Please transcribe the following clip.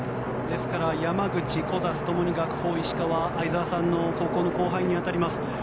ですから山口、小指ともに学法石川相澤さんの高校の後輩に当たります。